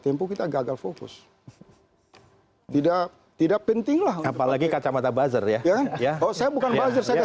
tempuh kita gagal fokus tidak tidak pentinglah apalagi kacamata buzzer ya ya oh saya bukan aja saya